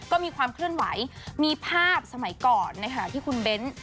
ก็มีความเคลื่อนไหวมีภาพสมัยก่อนในขณะที่คุณเบ้น